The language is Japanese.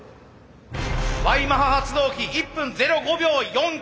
Ｙマハ発動機１分０５秒４９。